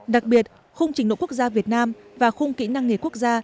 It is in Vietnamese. đặc biệt khung trình độ quốc gia việt nam và khung kỹ năng nghề quốc gia